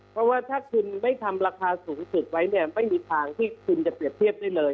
เพราะว่าถ้าคุณไม่ทำราคาสูงสุดไว้เนี่ยไม่มีทางที่คุณจะเปรียบเทียบได้เลย